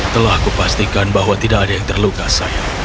telah kupastikan bahwa tidak ada yang terluka sayang